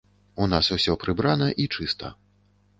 У нас усё прыбрана і чыста.